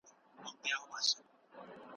کله به رسوا سي، وايي بله ورځ